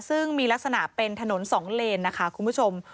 ซึ่งมีลักษณะเป็นถนน๒เลนนะคะคุณผู้ชม